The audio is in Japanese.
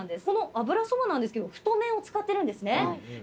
この油そばなんですけど太麺を使ってるんですね。